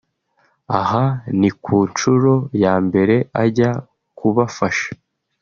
aha ni ku nshuro ya mbere ajya kubafasha